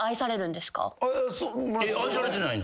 愛されてないの？